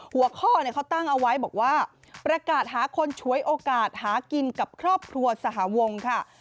หัวข้อเขาตั้งเอาไว้บอกว่าประกาศหาคนฉวยโอกาสหากินกับครอบครัวสหวงค่ะ